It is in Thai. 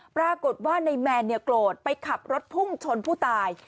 ปรากฏว่าในแมนเนี่ยโกรธไปขับรถพุ่งชนผู้ตาย